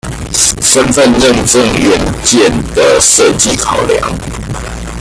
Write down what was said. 身分認證元件的設計考量